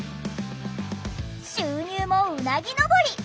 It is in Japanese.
収入もうなぎ登り！